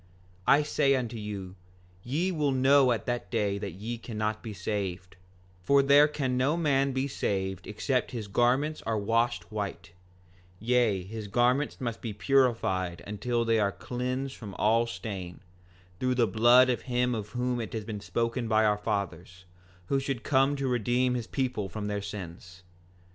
5:21 I say unto you, ye will know at that day that ye cannot be saved; for there can no man be saved except his garments are washed white; yea, his garments must be purified until they are cleansed from all stain, through the blood of him of whom it has been spoken by our fathers, who should come to redeem his people from their sins.